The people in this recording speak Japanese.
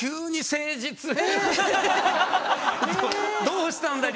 どうしたんだ？